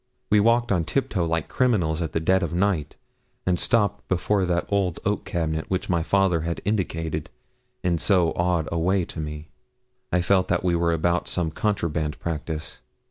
We walked on tiptoe, like criminals at the dead of night, and stopped before that old oak cabinet which my father had indicated in so odd a way to me. I felt that we were about some contraband practice.